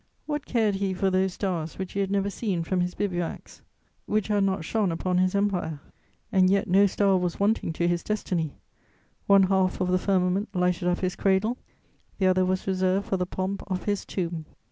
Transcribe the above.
What cared he for those stars which he had never seen from his bivouacs, which had not shone upon his empire? And yet no star was wanting to his destiny: one half of the firmament lighted up his cradle; the other was reserved for the pomp of his tomb.